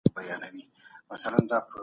ښه خلک د ټولني رښتینې شتمني ده.